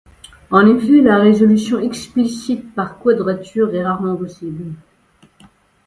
En effet la résolution explicite, par quadrature est rarement possible.